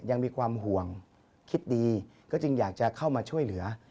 ยังมีความห่วงคิดดีก็จึงอยากจะเข้ามาช่วยเหลือ